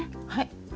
はい。